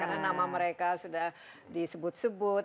karena nama mereka sudah disebut sebut